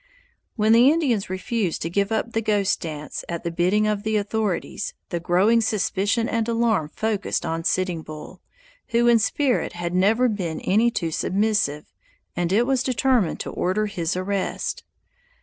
When the Indians refused to give up the "Ghost Dance" at the bidding of the authorities, the growing suspicion and alarm focused upon Sitting Bull, who in spirit had never been any too submissive, and it was determined to order his arrest.